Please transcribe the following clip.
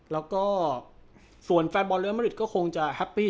แล้วก็ส่วนแฟนบอลเลอร์มริตก็คงจะแฮปปี้